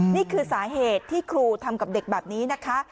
นี่คือสาเหตุที่ครูทำกับเด็กแบบนี้นะคะ